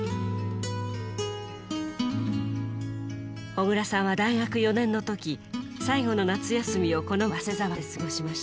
小椋さんは大学４年の時最後の夏休みをこの早稲沢で過ごしました。